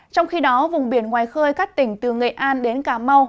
trong khi đó vùng biển ngoài khơi các tỉnh từ nghệ an đến cà mau